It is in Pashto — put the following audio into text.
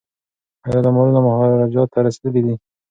ایا دا مالونه مهاراجا ته رسیدلي دي؟